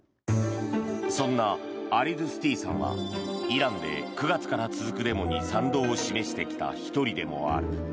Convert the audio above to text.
そんなアリドゥスティさんはイランで９月から続くデモに賛同を示してきた１人でもある。